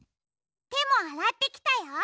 てもあらってきたよ。